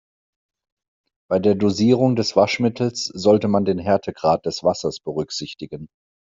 Bei der Dosierung des Waschmittels sollte man den Härtegrad des Wassers berücksichtigen.